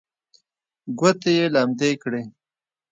ګوتې یې لمدې کړې.